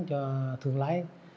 cho thương lấy